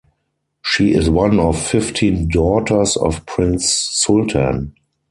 She is one of fifteen daughters of Prince Sultan.